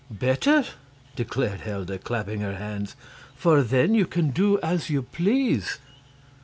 "Better!" declared Helda, clapping her hands; "for then you can do as you please."